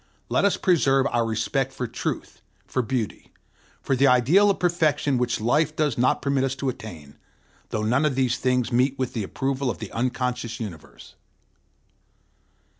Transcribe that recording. Let us preserve our respect for truth, for beauty, for the ideal of perfection which life does not permit us to attain, though none of these things meet with the approval of the unconscious universe.